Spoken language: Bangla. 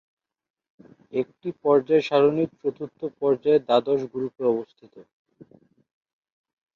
এটি পর্যায় সারণীর চতুর্থ পর্যায়ে, দ্বাদশ গ্রুপে অবস্থিত।